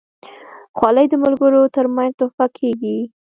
خولۍ د ملګرو ترمنځ تحفه کېږي.